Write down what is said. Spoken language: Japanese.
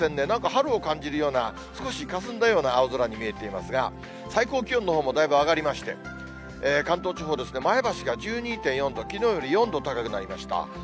なんか春を感じるような、少しかすんだような青空に見えていますが、最高気温のほうもだいぶ上がりまして、関東地方、前橋が１２．４度、きのうより４度高くなりました。